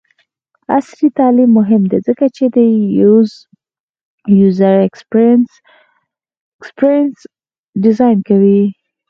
عصري تعلیم مهم دی ځکه چې د یوزر ایکسپیرینس ډیزاین کوي.